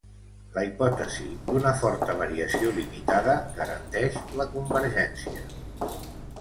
La hipòtesi d'una forta variació limitada garanteix la convergència.